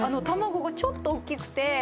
卵がちょっとおっきくて。